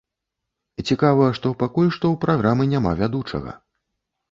Цікава, што пакуль што ў праграмы няма вядучага.